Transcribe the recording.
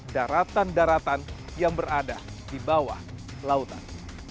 daratan daratan yang berada di bawah lautan